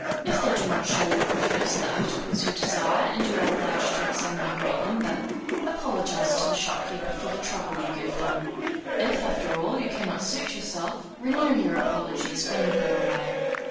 If they do not show you at first the articles you desire, and you are obliged to examine a great number, apologize to the shopkeeper for the trouble you give him. If, after all you cannot suit yourself, renew your apologies, when you go away.